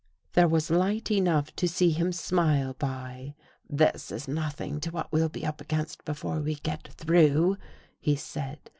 There was light enough to see him smile by. This is nothing to what we'll be up against before we get through," he said.